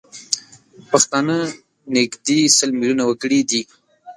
پښتانه نزدي سل میلیونه وګړي دي